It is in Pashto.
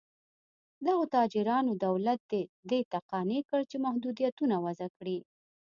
دغو تاجرانو دولت دې ته قانع کړ چې محدودیتونه وضع کړي.